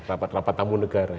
rapat rapat tamu negara